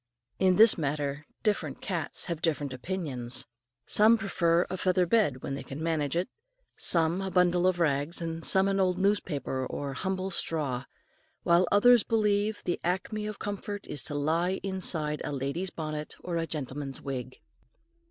In this matter different cats have different opinions. Some prefer a feather bed when they can manage it, some a bundle of rags, some an old newspaper or humble straw, while others believe the acme of comfort is to lie inside a lady's bonnet or a gentleman's wig.